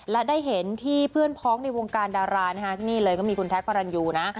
และได้เห็นที่เพื่อนพ้องในวงการดารานะฮะนี่เลยก็มีคุณแท็กพระรันยูนะ